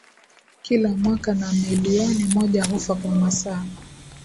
kila mwaka na milioni moja hufa kwa masaa